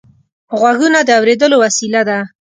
غوږونه د اورېدلو وسیله ده